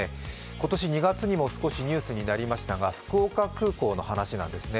今年２月にも少しニュースになりましたが福岡空港の話なんですね。